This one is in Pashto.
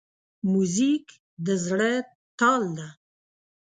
موزیک د زړه تال ده.